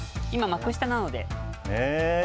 今、幕下なので。